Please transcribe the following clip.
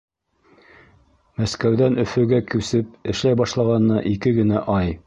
Мәскәүҙән Өфөгә күсеп эшләй башлағанына ике генә ай!